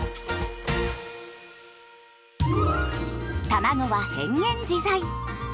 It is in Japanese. たまごは変幻自在。